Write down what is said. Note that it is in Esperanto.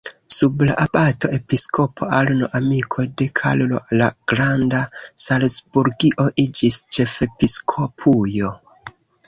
Sub la abato-episkopo Arno, amiko de Karlo la Granda, Salcburgio iĝis ĉefepiskopujo.